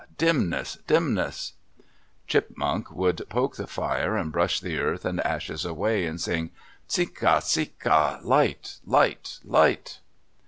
Dimness, dimness! Chipmunk would poke the fire and brush the earth and ashes away and sing, Tse ka, tse ka! Light, light, light!